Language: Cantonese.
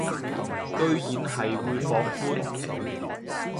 居然係會放寬